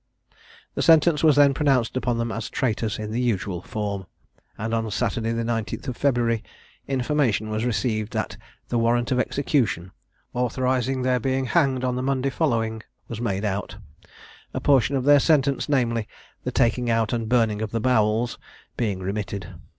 The sentence was then pronounced upon them as traitors in the usual form; and on Saturday the 19th of February, information was received that the warrant of execution, authorising their being hanged on the Monday following, was made out, a portion of their sentence, namely, the taking out and burning of the bowels, being remitted.